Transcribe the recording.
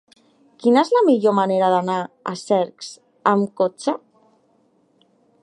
Quina és la millor manera d'anar a Cercs amb cotxe?